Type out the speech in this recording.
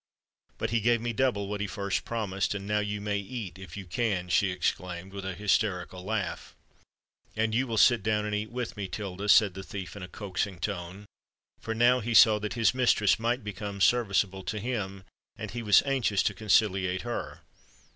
But he gave me double what he first promised; and now you may eat—if you can," she exclaimed, with a hysterical laugh. "And you will sit down and eat with me, Tilda," said the thief in a coaxing tone—for he now saw that his mistress might become serviceable to him, and he was anxious to conciliate her.